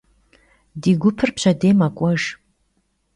Di gupır pşedêy mek'uejj.